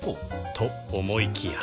と思いきや